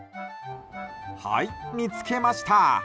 はい、見つけました。